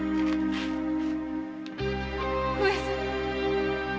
上様。